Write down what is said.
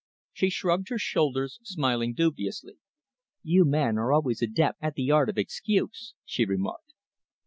She shrugged her shoulders, smiling dubiously. "You men are always adepts at the art of excuse," she remarked.